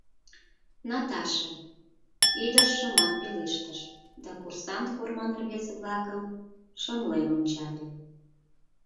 — Наташа, — ӱдыр шыман пелештыш да курсант форман рвезе-влакым шымлен ончале.